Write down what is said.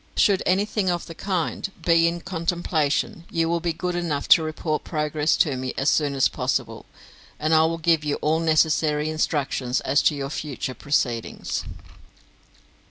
Should anything of the kind be in contemplation, you will be good enough to report progress to me as soon as possible, and I will give you all necessary instructions as to your future proceedings.